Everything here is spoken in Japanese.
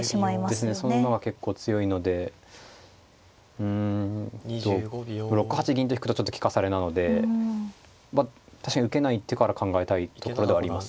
そうですねその馬が結構強いのでうんと６八銀と引くとちょっと利かされなのでまあ確かに受けない手から考えたいところではあります。